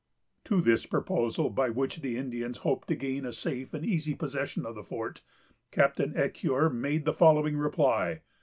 To this proposal, by which the Indians hoped to gain a safe and easy possession of the fort, Captain Ecuyer made the following reply.